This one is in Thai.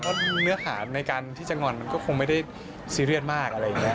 เพราะเนื้อหาในการที่จะงอนมันก็คงไม่ได้ซีเรียสมากอะไรอย่างนี้